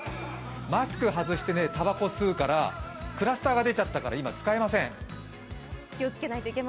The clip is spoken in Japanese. マスク外してたばこ吸うから、クラスターが出ちゃったから今使えません。